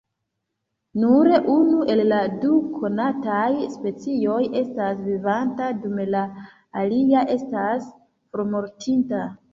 Nur unu el la du konataj specioj estas vivanta dum la alia estas formortinta.